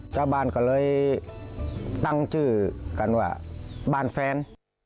ชาวบ้านก็เลยตั้งชื่อกันว่าบ้านแฟน